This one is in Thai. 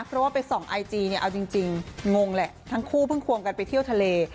เพราะว่าไปส่องไอจีเนี่ยเอาจริงงงแหละทั้งคู่เพิ่งควงกันไปเที่ยวทะเล